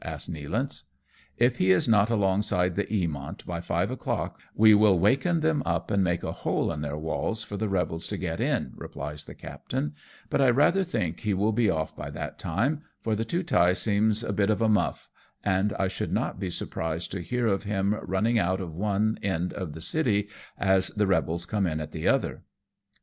" asks Nealance. " If he is not alongside the Eamont by five o'clock, we will waken them up and make a hole in their walls for the rebels to get m," replies the captain ;" but I rather think he will be off by that time, for the Tootai seems a bit of a muff, and I should not be surprised to hear of him running out of one end of the city as the rebels come in at the other."